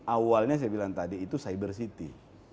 awalnya saya bilang tadi itu cyber city